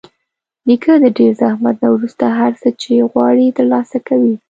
نیکه د ډېر زحمت نه وروسته هر څه چې غواړي ترلاسه کوي.